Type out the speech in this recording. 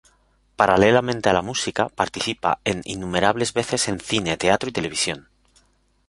Paralelamente a la música, participa en innumerables veces en cine, teatro y televisión.